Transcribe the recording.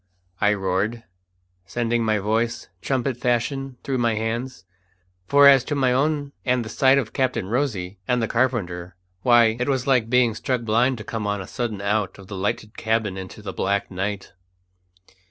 I roared, sending my voice, trumpet fashion, through my hands; for as to my own and the sight of Captain Rosy and the carpenter, why, it was like being struck blind to come on a sudden out of the lighted cabin into the black night.